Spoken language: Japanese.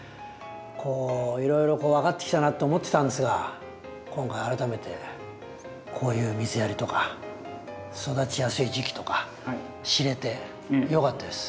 こういろいろ分かってきたなって思ってたんですが今回改めてこういう水やりとか育ちやすい時期とか知れてよかったです。